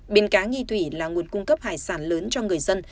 bến cá nghi thủy là nguồn cung cấp hải sản lớn cho người dân